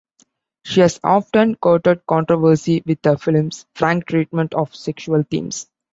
She has often courted controversy with her films' frank treatment of sexual themes.